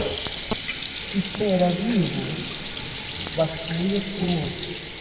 i Telabibu batuye ku ruzi